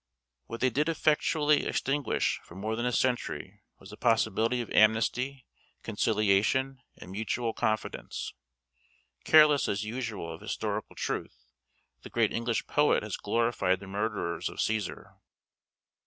What they did effectually extinguish for more than a century, was the possibility of amnesty, conciliation, and mutual confidence. Careless as usual of historical truth, the great English poet has glorified the murderers of Cæsar.